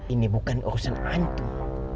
ini bukan urusan antum